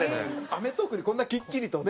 『アメトーーク』でこんなきっちりとね